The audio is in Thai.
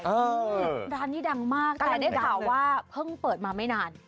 ร้านนี้ดังมากแต่ได้ข่าวว่าเพิ่งเปิดมาไม่นาน